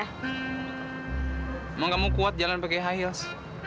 emang kamu kuat jalan pakai high heels